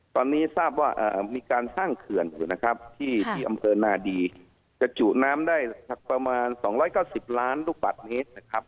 ตอนนี้ทราบว่ามีการสร้างเขื่อนอยู่นะครับที่อำเภอนาดีจะจุน้ำได้ประมาณ๒๙๐ล้านลูกบาทเมตรนะครับ